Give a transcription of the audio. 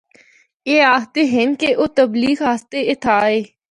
اے آخدے ہن کہ او تبلیغ اسطے اِتھا آئے۔